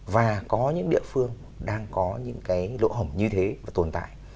và có những địa phương đang có những cái lỗ hổng như thế và tồn tại